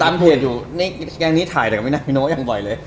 ตามเผื่ออยู่แกงนี้ถ่ายแต่กับมินามิโน่อย่างบ่อยเลย